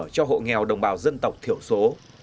cho hộ nghèo đồng bào dân tộc thiểu số